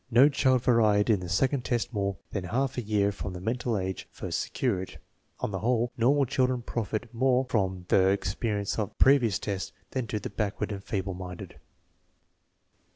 No child varied in the second test more than half a year from the mental age first secured. On the whole, normal children profit more from the experience of a previous test than do the backward and feeble minded.